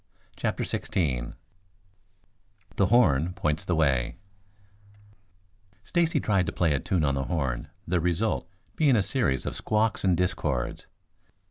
CHAPTER XVI THE HORN POINTS THE WAY Stacy tried to play a tune on the horn, the result being a series of squawks and discords.